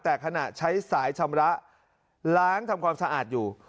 แต่ขณะใช้สายชำระล้างทำความสะอาดอยู่